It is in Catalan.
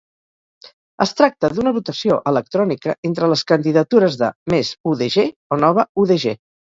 Es tracta d'una votació electrònica entre les candidatures de Més UdG o Nova UdG.